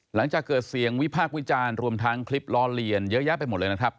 หลังจากเกิดเสียงวิพากษ์วิจารณ์รวมทั้งคลิปล้อเลียนเยอะแยะไปหมดเลยนะครับ